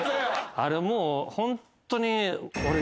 あれもうホントに。